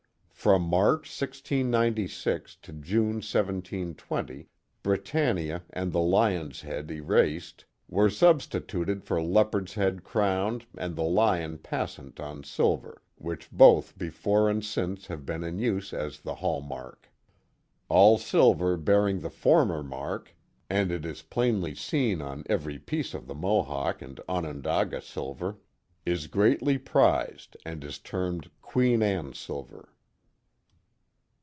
From March, 1696, to June, 1720, Britannia and the lion's head erased, were substituted for leopard's head crowned and the lion passant on silver, which both before and since have been in use as the " hall mark." All silver bearing the former mark (and it is plainly seen on every piece of the Mohawk and Onondaga silver), is greatly prized, and is termed Queen Anne silver.